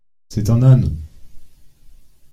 C’est un âne !